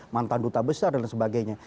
mantan duta besar dan sebagainya